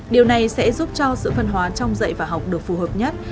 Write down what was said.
điều này sẽ giúp cho sự phân hóa trong dạy và học được phù hợp nhất